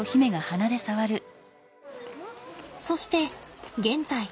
そして現在。